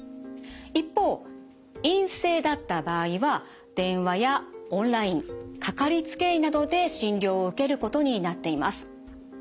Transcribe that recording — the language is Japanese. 一方陰性だった場合は電話やオンラインかかりつけ医などで診療を受けることになっています。